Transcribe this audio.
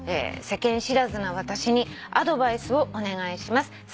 「世間知らずな私にアドバイスをお願いします」